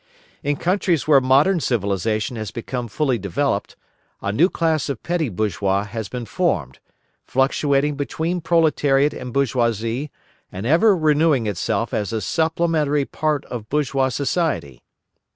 In countries where modern civilisation has become fully developed, a new class of petty bourgeois has been formed, fluctuating between proletariat and bourgeoisie and ever renewing itself as a supplementary part of bourgeois society.